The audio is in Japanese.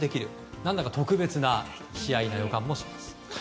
何だか特別な試合の予感もします。